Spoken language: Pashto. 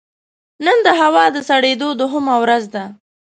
نن د هوا د سړېدو دوهمه ورځ ده